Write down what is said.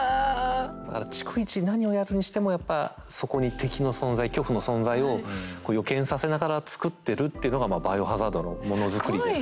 だから逐一何をやるにしてもやっぱそこに敵の存在恐怖の存在を予見させながら作ってるっていうのがまあ「バイオハザード」のものづくりですね。